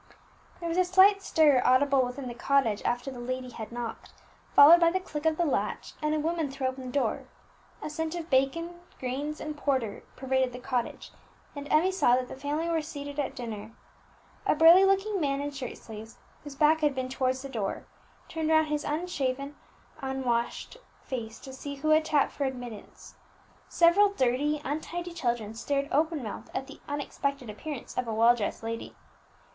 There was a slight stir audible within the cottage after the lady had knocked, followed by the click of the latch, and a woman threw open the door. A scent of bacon, greens, and porter pervaded the cottage, and Emmie saw that the family were seated at dinner. A burly looking man in shirt sleeves, whose back had been towards the door, turned round his unshaven, unwashed face to see who had tapped for admittance. Several dirty, untidy children stared open mouthed at the unexpected appearance of a well dressed lady.